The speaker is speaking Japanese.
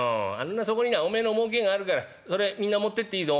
そこになおめえのもうけがあるからそれみんな持ってっていいぞ」。